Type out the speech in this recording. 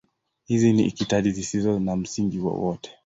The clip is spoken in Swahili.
Hizi ni itikadi zisizo na msingi wowote.